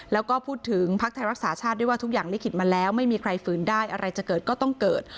แล้วก็พูดถึงภักดิ์ไทยรักษาชาติด้วยว่าทุกอย่างลิขิตมาแล้วไม่มีใครฝืนได้อะไรจะเกิดก็ต้องเกิด